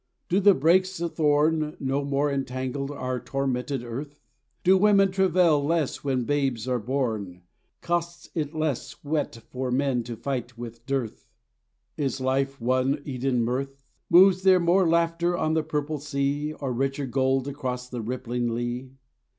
Do the brakes of thorn No more entangle our tormented earth, Do women travail less when babes are born, Costs it less sweat for men to fight with dearth, Is life one Eden mirth, Moves there more laughter on the purple sea, Or richer gold across the rippling lea?